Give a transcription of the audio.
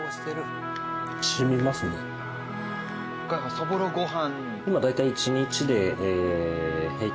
そぼろご飯。